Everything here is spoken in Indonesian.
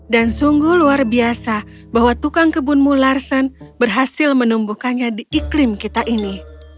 dan sungguh luar biasa bahwa tukang kebunmu larsen berhasil menumbuhkannya di iklim kita ini